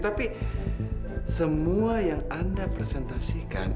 tapi semua yang anda presentasikan